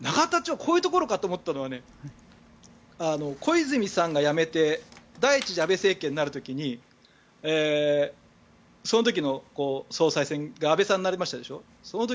こういうところかと思ったのは小泉さんが辞めて第１次安倍政権になる時にその時の総裁選が安倍さんになりましたでしょ。